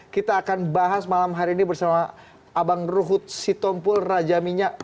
kita akan bahas malam hari ini bersama abang ruhut sitompul raja minyak